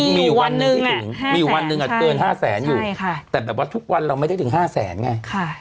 มีอยู่วันหนึ่งอะเกิน๕แสนอยู่แต่แบบว่าทุกวันเราไม่ได้ถึง๕แสนไง